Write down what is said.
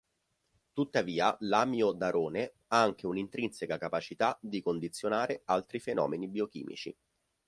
Tuttavia l'amiodarone ha anche un'intrinseca capacità di condizionare altri fenomeni biochimici.